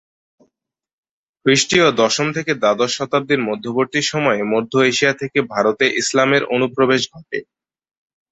খ্রিষ্টীয় দশম থেকে দ্বাদশ শতাব্দীর মধ্যবর্তী সময়ে মধ্য এশিয়া থেকে ভারতে ইসলামের অনুপ্রবেশ ঘটে।